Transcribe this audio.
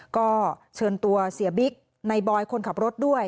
ก็เชิญตัวเสียบิ๊กในบอยคนขับรถด้วย